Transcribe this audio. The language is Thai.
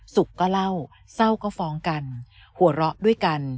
สุขก็เล่าเศร้าก็ฟ้องกันหัวเราะด้วยกัน